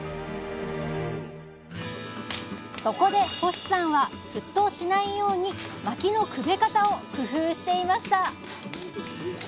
そこで星さんは沸騰しないようにまきのくべ方を工夫していました